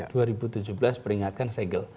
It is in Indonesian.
dua ribu tujuh belas peringatkan segel